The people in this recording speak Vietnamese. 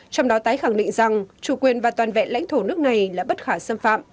trong đó tái khẳng định rằng chủ quyền và toàn vẹn lãnh thổ nước này là bất khả xâm phạm